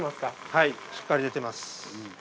はいしっかり出てます。